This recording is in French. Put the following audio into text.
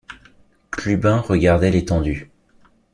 Clubin regardait l’étendue.